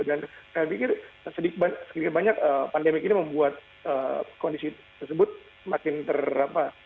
dan saya pikir sedikit banyak pandemik ini membuat kondisi tersebut semakin ter